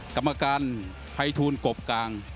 กำลังทำการภัยทูลกบกลาง